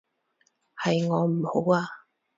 係我唔好啊